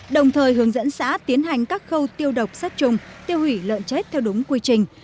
đồng thời hướng dẫn xã tiến hành các khâu tiêu độc sát trùng tiêu hủy lợn chết theo đúng quy trình